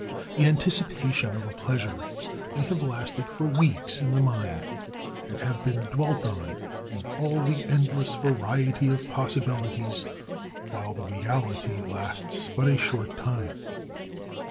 The anticipation of a pleasure may have lasted for weeks in the mind, and have been dwelt on in all the endless variety of possibilities, while the reality lasts but a short time.